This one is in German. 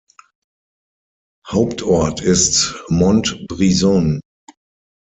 Hauptort ist Montbrison.